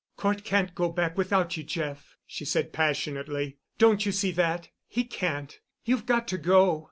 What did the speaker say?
"Cort can't go back without you, Jeff," she said passionately. "Don't you see that? He can't. You've got to go.